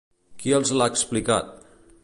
Qui els l'ha explicat?